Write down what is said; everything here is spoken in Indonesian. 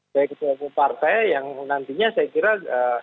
dari ketua buku partai yang nantinya saya kira sudah menjadi